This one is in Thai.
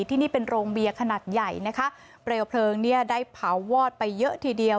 ที่นี่เป็นโรงเบียร์ขนาดใหญ่นะคะเปลวเพลิงเนี่ยได้เผาวอดไปเยอะทีเดียว